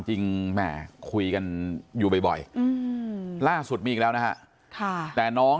แหม่คุยกันอยู่บ่อยล่าสุดมีอีกแล้วนะฮะแต่น้อง